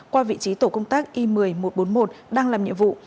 qua vị trí tổ công tác i một mươi một trăm bốn mươi một đang làm nhiệm vụ